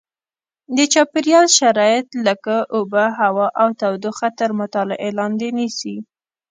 د چاپېریال شرایط لکه اوبه هوا او تودوخه تر مطالعې لاندې نیسي.